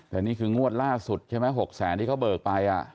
แต่นี่คืองวดล่าสุดใช่ไหม๖แสนที่เขาเบิกไป